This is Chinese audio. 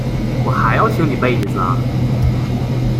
我还要听你背一次啊？